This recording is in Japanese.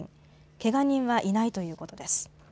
けが人はいないということです。